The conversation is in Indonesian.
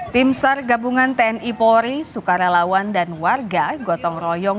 tim sar gabungan tni polri sukarelawan dan warga gotong royong